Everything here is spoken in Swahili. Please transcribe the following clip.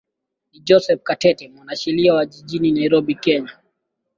ni joseph katete mwanasheria wa jijini nairobi kenya